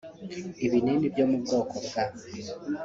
Ibinini byo mu bwoko bwa